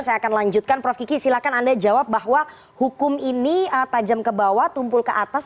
saya akan lanjutkan prof kiki silahkan anda jawab bahwa hukum ini tajam ke bawah tumpul ke atas